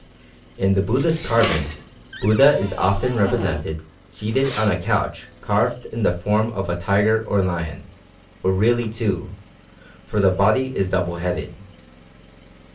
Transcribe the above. In the Buddhist carvings Buddha is often represented seated on a couch carved in the form of a tiger or lion, or really two, for the body is double headed.